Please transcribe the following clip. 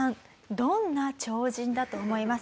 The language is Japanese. どんな超人だと思いますか？